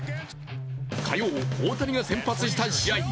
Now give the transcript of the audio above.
火曜、大谷が先発した試合。